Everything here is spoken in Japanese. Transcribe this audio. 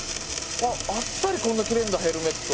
あっあっさりこんな切れるんだヘルメット。